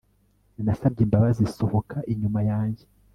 nasabye imbabazi, sohoka inyuma yanjye